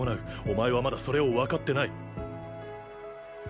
お前はまだそれを分かってない。